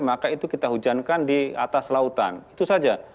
jadi kita hujankan di atas lautan itu saja